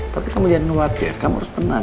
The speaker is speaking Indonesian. tapi kamu jangan khawatir kamu harus tenang